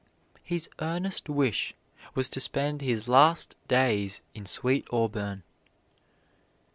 His earnest wish was to spend his last days in Sweet Auburn.